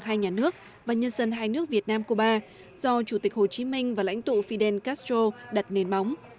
hai nhà nước và nhân dân hai nước việt nam cuba do chủ tịch hồ chí minh và lãnh tụ fidel castro đặt nền móng